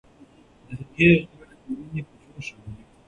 د هغې ږغ ويني په جوش راوړي.